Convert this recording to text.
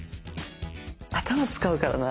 頭使うからな。